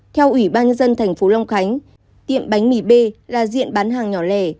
theo ủy ban nhân dân tp long khánh tiệm bánh mì b là diện bán hàng nhỏ lẻ